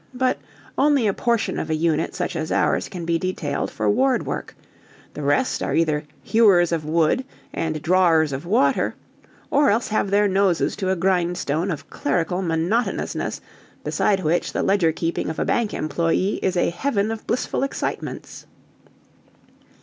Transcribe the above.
But only a portion of a unit such as ours can be detailed for ward work: the rest are either hewers of wood and drawers of water or else have their noses to a grindstone of clerical monotonousness beside which the ledger keeping of a bank employee is a heaven of blissful excitements.